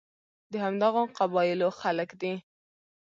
د همدغو قبایلو خلک دي.